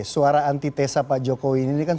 suara anti tesa pak jokowi ini kan